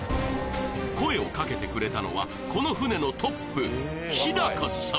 声をかけてくれたのはこの船のトップ日さん